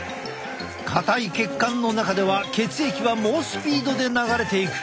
硬い血管の中では血液は猛スピードで流れていく。